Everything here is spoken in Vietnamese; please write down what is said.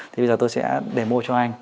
thì bây giờ tôi sẽ demo cho anh